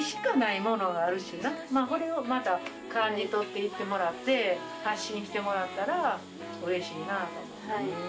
それをまた感じ取って行ってもらって発信してもらったらうれしいなぁと。